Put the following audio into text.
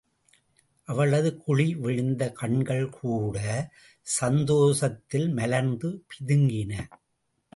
அவளது குழி விழுந்த கண்கள்கூட், சந்தோஷத்தில் மலர்ந்து பிதுங்கின.